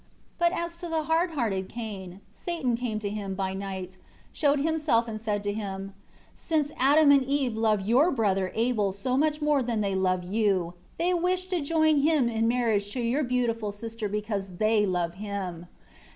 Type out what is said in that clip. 10 But as to the hard hearted Cain, Satan came to him by night, showed himself and said to him, "Since Adam and Eve love your brother Abel so much more than they love you, they wish to join him in marriage to your beautiful sister because they love him.